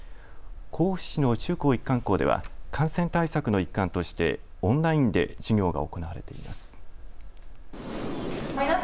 甲府市の中高一貫校では感染対策の一環としてオンラインで授業が行われています。